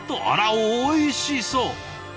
あらおいしそう！